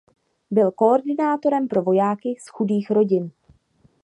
Byl koordinátorem pro vojáky z chudých rodin.